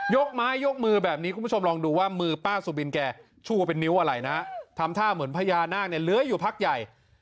กไม้ยกมือแบบนี้คุณผู้ชมลองดูว่ามือป้าสุบินแกชูว่าเป็นนิ้วอะไรนะทำท่าเหมือนพญานาคเนี่ยเลื้อยอยู่พักใหญ่